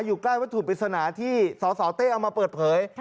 อยู่ใกล้วัตถุปริศนาที่สสเต้เอามาเปิดเผย